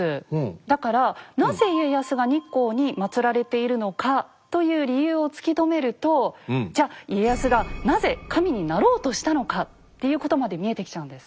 だからなぜ家康が日光にまつられているのかという理由を突き止めるとじゃ家康がなぜ神になろうとしたのかっていうことまで見えてきちゃうんです。